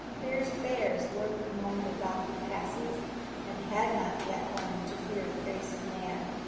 Fierce bears lurked among the rocky passes, and had not yet learned to fear the face of man.